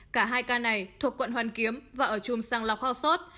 cả hai ca này thuộc quận hoàn kiếm và ở chùm sàng lọc hoa sốt